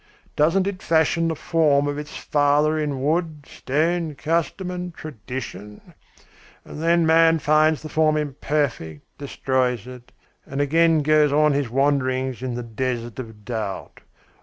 Doesn't it fashion the form of its father in wood, stone, custom, and tradition? And then man finds the form imperfect, destroys it, and again goes on his wanderings in the desert of doubt.